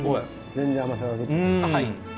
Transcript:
全然甘さが出てくる。